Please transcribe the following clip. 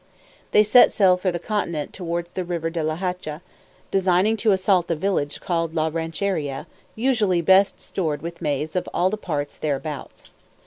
They set sail for the continent towards the river De la Hacha, designing to assault the village called La Rancheria, usually best stored with maize of all the parts thereabouts.